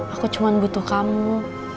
aku cuma butuh kamu